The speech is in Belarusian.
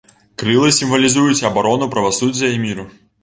Крылы сімвалізуюць абарону правасуддзя і міру.